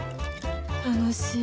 楽しい。